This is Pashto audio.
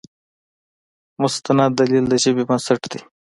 مستند دلیل د ژبې بنسټ دی.